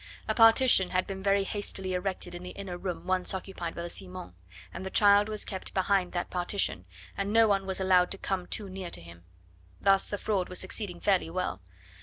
A partition had been very hastily erected in the inner room once occupied by the Simons, and the child was kept behind that partition, and no one was allowed to come too near to him. Thus the fraud was succeeding fairly well.